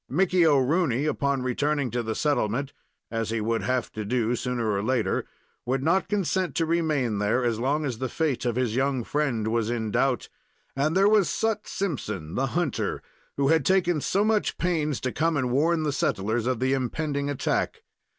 Mickey O'Rooney, upon returning to the settlement (as he would have to do sooner or later), would not consent to remain there as long as the fate of his young friend was in doubt. And there was Sut Simpson, the hunter, who had taken so much pains to come and warn the settlers of the impending attack.